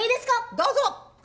どうぞ！